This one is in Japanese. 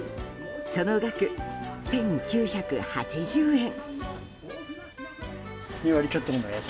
その額、１９８０円。